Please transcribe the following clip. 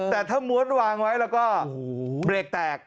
แต่ถ้าม้วนวางไว้แล้วก็เบรกแตก